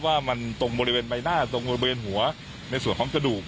ว่ามันตรงบริเวณใบหน้าตรงบริเวณหัวในส่วนของกระดูก